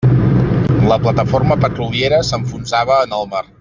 La plataforma petroliera s'enfonsava en el mar.